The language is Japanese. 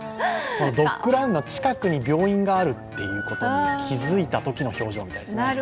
ドッグランの近くに病院があるということに気づいたときの表情みたいですね。